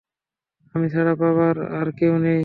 আমি ছাড়া বাবার আর কেউ নেই।